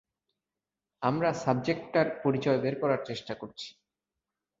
আমরা সাবজেক্টটার পরিচয় বের করার চেষ্টা করছি।